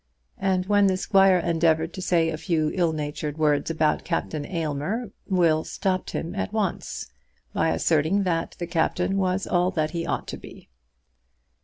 And when the squire endeavoured to say a few ill natured words about Captain Aylmer, Will stopped him at once by asserting that the Captain was all that he ought to be.